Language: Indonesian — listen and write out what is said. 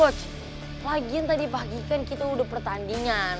coach lagian tadi pagi kan kita udah pertandingan